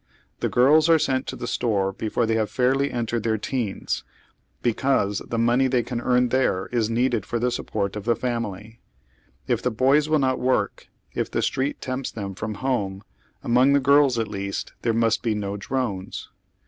The girls are sent to the store before they have fairly en tered their teens, because the money they can earn there is needed for the support of the family. If the boj s will not work, if the street tempts thera from home, among oy Google THE WORKING GIRLS OF NEW TORE. 237 the girls at least there must be no drones.